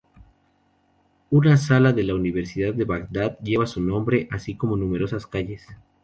Una sala de la Universidad de Bagdad lleva su nombre, así como numerosas calles.